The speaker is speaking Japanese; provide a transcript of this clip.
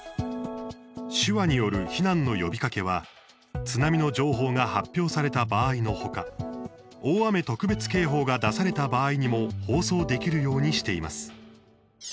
手話による避難の呼びかけは津波の情報が発表された場合の他大雨特別警報が出された場合にも放送できるようにしています。